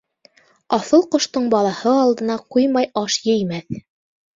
Аҫыл ҡоштоң балаһы алдына ҡуймай аш еймәҫ.